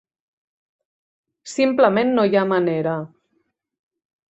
Simplement no hi ha manera.